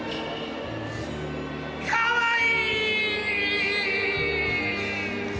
かわいい！